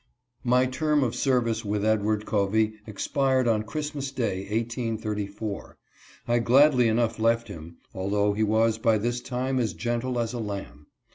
MY term of service with Edward Covey expired on Christmas day, 1834. I gladly enough left him, although he was by this time as gentle as a lamb.